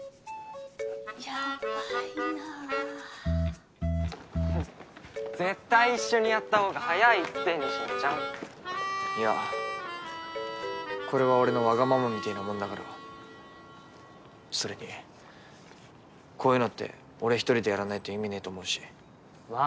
やばいな絶対一緒にやったほうが早いって仁科ちゃんいやこれは俺のわがままみてえなもんだからそれにこういうのって俺一人でやらないと意味ねえと思うしま